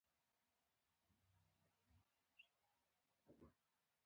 هیواد ته به یې هیڅ برټانوي عسکر نه داخلیږي.